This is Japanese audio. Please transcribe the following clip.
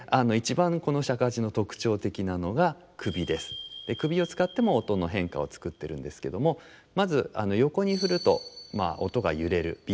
首を使っても音の変化を作ってるんですけどもまず横に振ると音が揺れるビブラートですね